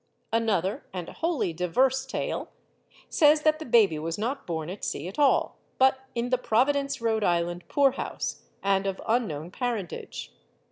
Another and wholly diverse tale says that the baby was not born at sea at all, but in the Providence, Rhode Island, poorhouse, and of unknown parentage.